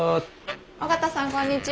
緒方さんこんにちは。